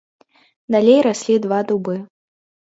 Далей раслі два дубы.